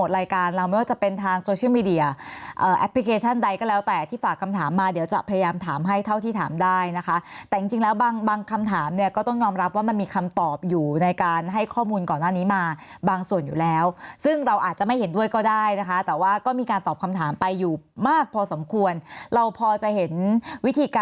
รายการเราไม่ว่าจะเป็นทางโซเชียลมีเดียแอปพลิเคชันใดก็แล้วแต่ที่ฝากคำถามมาเดี๋ยวจะพยายามถามให้เท่าที่ถามได้นะคะแต่จริงแล้วบางคำถามเนี่ยก็ต้องยอมรับว่ามันมีคำตอบอยู่ในการให้ข้อมูลก่อนหน้านี้มาบางส่วนอยู่แล้วซึ่งเราอาจจะไม่เห็นด้วยก็ได้นะคะแต่ว่าก็มีการตอบคำถามไปอยู่มากพอสมควรเราพอจะเห็นวิธีการ